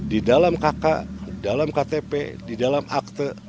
di dalam kk dalam ktp di dalam akte